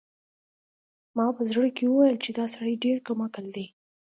ما په زړه کې وویل چې دا سړی ډېر کم عقل دی.